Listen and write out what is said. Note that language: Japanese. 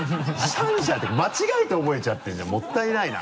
シャンシャンって間違えて覚えちゃってるじゃんもったいないな。